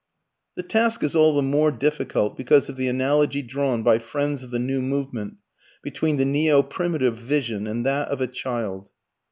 The task is all the more difficult because of the analogy drawn by friends of the new movement between the neo primitive vision and that of a child.